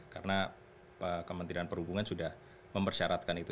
karena kementerian perhubungan sudah mempersyaratkan itu